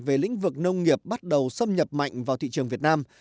về lĩnh vực nông nghiệp bắt đầu xâm nhập mạnh vào thị trường việt nam